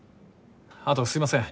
あとすいません